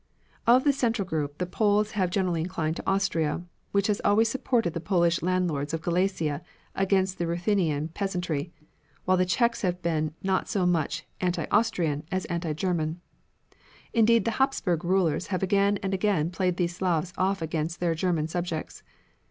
Of the central group, the Poles have generally inclined to Austria, which has always supported the Polish landlords of Galicia against the Ruthenian peasantry; while the Czechs have been not so much anti Austrian as anti German. Indeed, the Hapsburg rulers have again and again played these Slavs off against their German subjects.